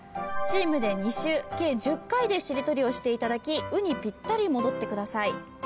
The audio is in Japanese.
チームで２周計１０回でしりとりをしていただき「う」にぴったり戻ってください。